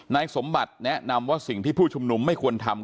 นายสมบัติแนะนำว่าสิ่งที่ผู้ชุมนุมไม่ควรทำ